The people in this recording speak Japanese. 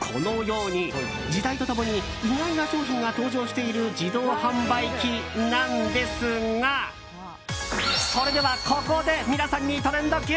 このように、時代と共に意外な商品が登場している自動販売機なんですがそれでは、ここで皆さんにトレンドＱ！